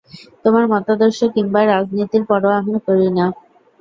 তোমার মতাদর্শ কিংবা রাজনীতির পরোয়া করি না আমি!